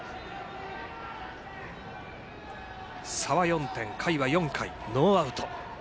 差は４点、回は４回、ノーアウト。